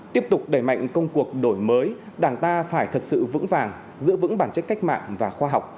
tiếp tục đẩy mạnh công cuộc đổi mới đảng ta phải thật sự vững vàng giữ vững bản chất cách mạng và khoa học